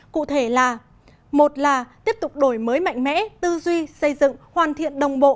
cụ thể là một là tiếp tục đổi mới mạnh mẽ tư duy xây dựng hoàn thiện đồng bộ